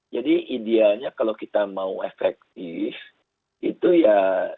jadi idealnya kalau kita mau efektif itu ya